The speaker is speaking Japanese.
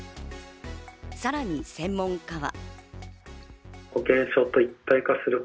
さらに専門家は。